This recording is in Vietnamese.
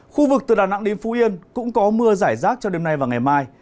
khu vực từ đà nẵng đến phú yên cũng có mưa giải rác cho đêm nay và ngày mai